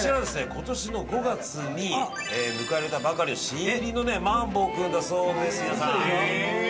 今年の５月に迎えたばかりの新入りのマンボウ君だそうです。